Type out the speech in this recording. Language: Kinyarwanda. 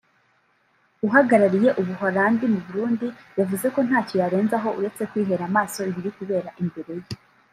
Uhagarariye u Buholandi mu Burundi yavuze ko ntacyo yarenzaho uretse kwihera amaso ibiri kubera imbere ye